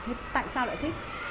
thế tại sao lại thích